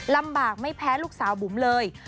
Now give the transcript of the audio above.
ลำบากไม่แพ้ลูกสาวบุ๋มเลย